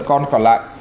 còn còn lại